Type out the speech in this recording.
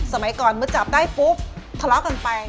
สมัยก่อนเมื่อจับได้ปุ๊บทะเลาะกันไป